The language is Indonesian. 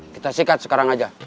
kita sikat sekarang aja